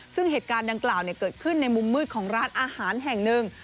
ซึ่งเหตุการณ์ดังกล่าวเกิดขึ้นในมุมมืดของร้านอาหารแห่งหนึ่ง